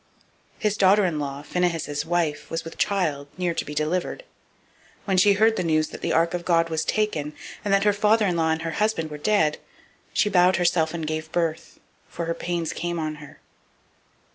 004:019 His daughter in law, Phinehas' wife, was with child, near to be delivered: and when she heard the news that the ark of God was taken, and that her father in law and her husband were dead, she bowed herself and brought forth; for her pains came on her.